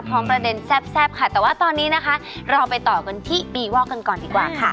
ประเด็นแซ่บค่ะแต่ว่าตอนนี้นะคะเราไปต่อกันที่ปีวอกกันก่อนดีกว่าค่ะ